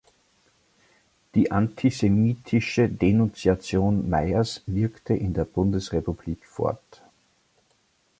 Die antisemitische Denunziation Mayers wirkte in der Bundesrepublik fort.